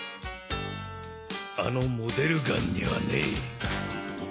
あのモデルガンにはね。